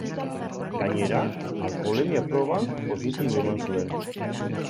Gainera, alkoholemia proban positibo eman zuen.